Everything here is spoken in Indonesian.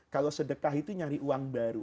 kalau sedekah itu nyari uang baru